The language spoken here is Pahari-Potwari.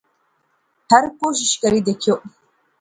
ہر کوشش کری دیکھیون